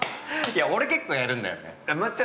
◆いや、俺結構やるんだよね。